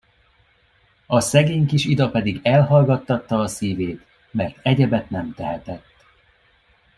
A szegény kis Ida pedig elhallgattatta a szívét, mert egyebet nem tehetett.